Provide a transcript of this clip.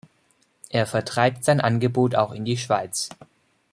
Er vertreibt sein Angebot auch in die Schweiz.